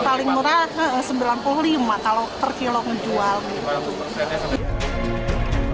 paling murah rp sembilan puluh lima per kilogram